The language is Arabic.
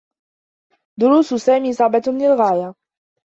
دروس سامي صعبة للغاية.